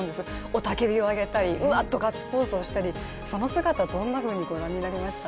雄たけびをあげたり、うわっとガッツポーズをしたりその姿、どんなふうにご覧になりました？